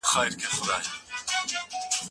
دا آخره زمانه ده په پیمان اعتبار نسته